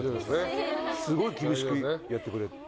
すごい厳しくやってくれ。